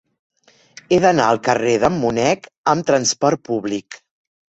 He d'anar al carrer d'en Mònec amb trasport públic.